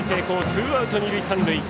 ツーアウト、二塁三塁。